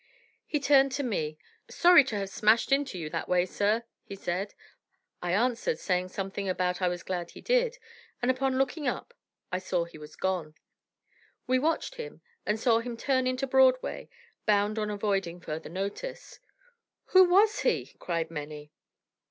He turned to me. "Sorry to have smashed into you that way, sir," he said. I answered, saying something about I was glad he did and upon looking up, I saw he was gone. We watched him, and saw him turn into Broadway, bound on avoiding further notice. "Who was he?" cried many.